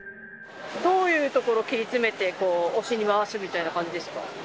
どういうところ切り詰めて、推しに回してるみたいな感じですか？